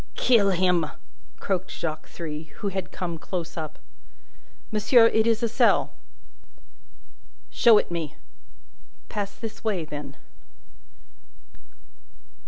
"Kill him!" croaked Jacques Three, who had come close up. "Monsieur, it is a cell." "Show it me!" "Pass this way, then."